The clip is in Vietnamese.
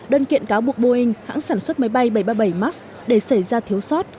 đơn kiện cáo buộc boeing hãng sản xuất máy bay bảy trăm ba mươi bảy max để xảy ra thiếu sót